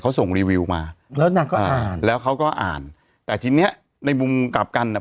เขาส่งรีวิวมาแล้วนางก็อ่านแล้วเขาก็อ่านแต่ทีเนี้ยในมุมกลับกันอ่ะ